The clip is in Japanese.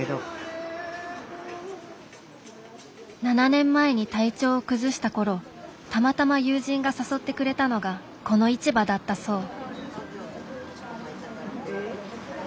７年前に体調を崩した頃たまたま友人が誘ってくれたのがこの市場だったそう。